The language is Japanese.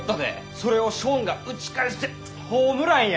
それをショーンが打ち返してホームランや！